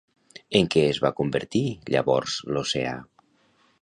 En què es va convertir, llavors, l'oceà?